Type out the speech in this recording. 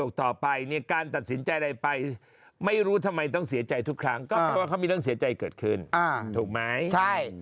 ก็อาจจะเป็นหลงจุของก้าวนั่นแหละ